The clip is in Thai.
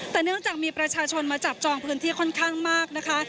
แต่เนื่องจากมีประชาชนมาจับจองพื้นที่ค่อนข้างมากนะคะ